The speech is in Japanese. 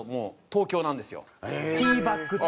東京なんですか？